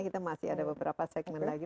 kita masih ada beberapa segmen lagi